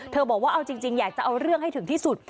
บอกว่าเอาจริงอยากจะเอาเรื่องให้ถึงที่สุด